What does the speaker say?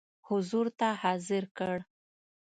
حضور ته حاضر کړ.